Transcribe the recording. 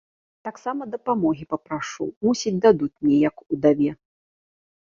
Таксама дапамогі папрашу, мусіць дадуць мне як удаве.